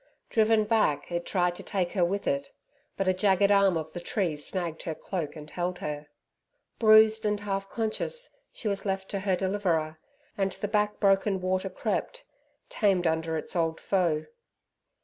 Driven back, it tried to take her with it. But a jagged arm of the tree snagged her cloak and held her. Bruised and half conscious she was left to her deliverer, and the back broken water crept tamed under its old foe.